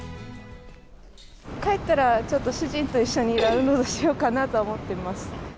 帰ったら、ちょっと主人と一緒にダウンロードしようかなとは思ってます。